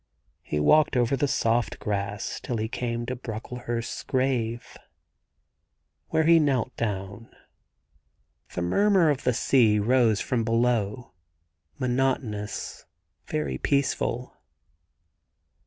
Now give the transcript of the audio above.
He walked over the soft grass till he came to Brocklehurst's grave, where he knelt down. The murmur of the sea rose from below — monotonous, very peaceful.